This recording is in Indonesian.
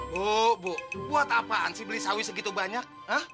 bu bu buat apaan sih beli sawi segitu banyak